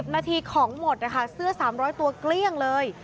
นาทีของหมดนะคะเสื้อ๓๐๐ตัวเกลี้ยงเลย